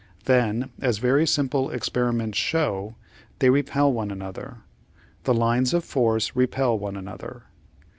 Then, as very simple experiments show, they repel one another. The lines of force repel one another.